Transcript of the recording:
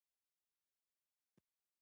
باسواده ښځې د هوسا ژوند خاوندانې دي.